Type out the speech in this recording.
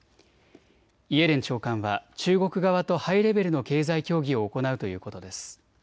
イエレン長官は中国側とハイレベルの経済協議を行うということです。